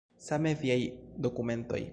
Same viaj dokumentoj.